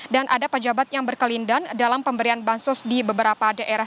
dan ada pejabat yang berkelindan dalam pemberian bansos di beberapa daerah